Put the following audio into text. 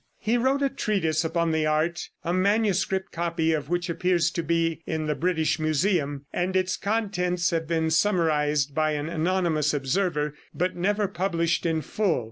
He wrote a treatise upon the art, a manuscript copy of which appears to be in the British Museum, and its contents have been summarized by an anonymous observer, but never published in full.